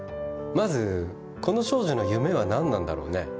まずこの少女の夢は何なんだろうね。